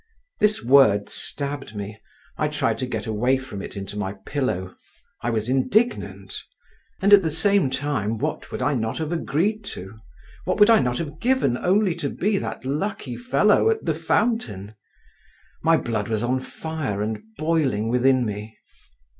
This word stabbed me, I tried to get away from it into my pillow, I was indignant—and at the same time what would I not have agreed to, what would I not have given only to be that lucky fellow at the fountain!… My blood was on fire and boiling within me.